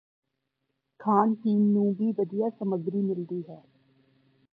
ਖਾਣ ਪੀਣ ਨੂੰ ਵੀ ਵਧੀਆ ਸਮਗੱਰੀ ਮਿਲਦੀ ਹੈ